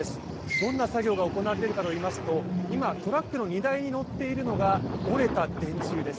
どんな作業が行われているかといいますと今、トラックの荷台に載っているのが折れた電柱です。